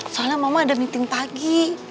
soalnya mama ada meeting pagi